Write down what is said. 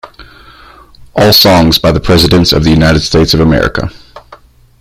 All songs by The Presidents of the United States of America.